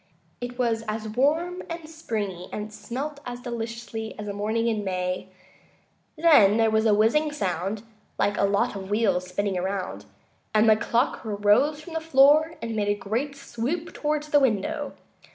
It was as warm and springy, and smelt as deliciously, as a morning in May. Then there was a whizzing sound, like a lot of wheels spinning around, and the clock rose from the floor and made a great swoop toward the window.